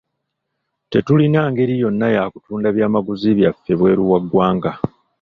Tetulina ngeri yonna ya kutunda byamaguzi byaffe bweru wa ggwanga.